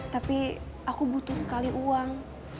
tapi aku butuh sekali uang